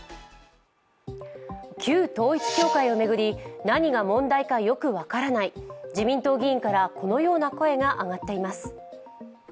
旧統一教会を巡り、何が問題かよく分からない、自民党議員からこのような声が上がっています。